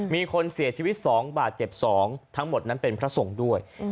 มีคนเสียชีวิต๒บาทเจ็บ๒ทั้งหมดนั้นเป็นพระสงฆ์ด้วย